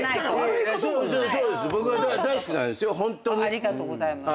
ありがとうございます。